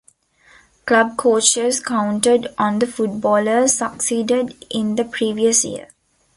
Club coaches counted on the footballers succeeded in the previous year.